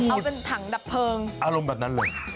เอาเป็นถังดับเพลิงอารมณ์แบบนั้นเลย